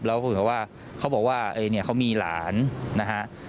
แล้วเขาบอกว่าเขามีหลานนะฮะ